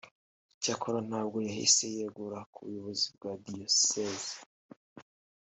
Icyakora ntabwo yahise yegura ku buyobozi bwa Diyosezi